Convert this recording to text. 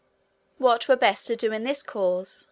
What were best to do in this cause?